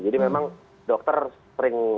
jadi memang dokter sering